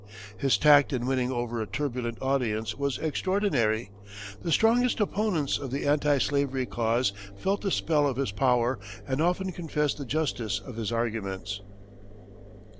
His tact in winning over a turbulent audience was extraordinary; the strongest opponents of the anti slavery cause felt the spell of his power, and often confessed the justice of his arguments.